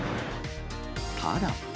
ただ。